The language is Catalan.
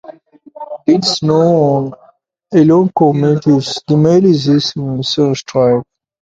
Dels nou llançaments de Miles, sis van ser strikes.